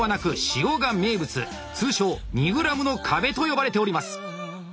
通称２ｇの壁と呼ばれております。